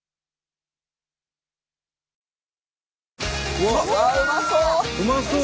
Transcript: うわっうまそう！